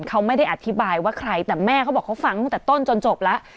เขาไม่ได้อธิบายว่าใครแต่แม่เขาบอกเขาฟังตั้งแต่ต้นจนจบแล้ว